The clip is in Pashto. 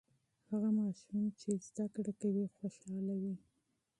هغه ماشوم چې سبق وایي، خوښ دی.